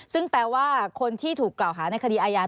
ซึ่งแปลว่าคนที่ถูกกล่าวหาในคดีอาญา